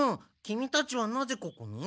キミたちはなぜここに？